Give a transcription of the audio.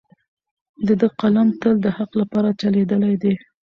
د ده قلم تل د حق لپاره چلیدلی دی.